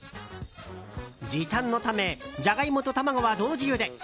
時短のためジャガイモと卵は同時ゆで。